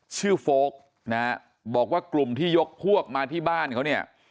โฟลกนะฮะบอกว่ากลุ่มที่ยกพวกมาที่บ้านเขาเนี่ย